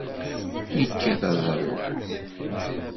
Yekkat aẓawan.